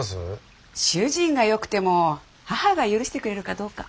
主人がよくても母が許してくれるかどうか。